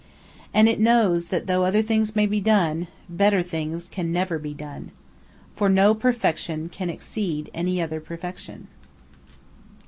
And it knows that though other things may be done, better things can never be done. For no perfection can exceed any other perfection.